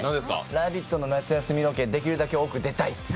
「ラヴィット！」の夏休みロケ、できるだけ多く出たい！